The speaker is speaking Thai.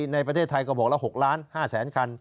ในประเทศไทยก็บอกละ๖ล้าน๕แสนคัน